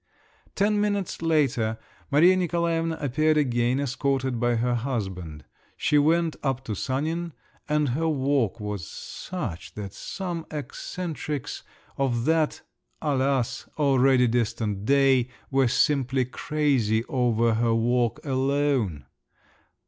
Ten minutes later Maria Nikolaevna appeared again, escorted by her husband. She went up to Sanin … and her walk was such that some eccentrics of that—alas!—already, distant day, were simply crazy over her walk alone.